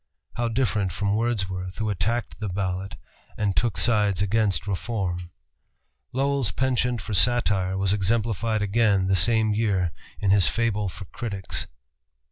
How different from Wordsworth who attacked the ballot and took sides against reform! Lowell's penchant for satire was exemplified again the same year in his "Fable for Critics."